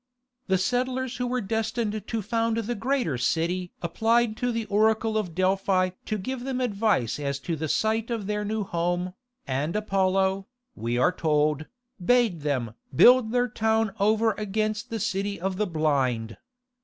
The settlers who were destined to found the greater city applied to the oracle of Delphi to give them advice as to the site of their new home, and Apollo, we are told, bade them "build their town over against the city of the blind."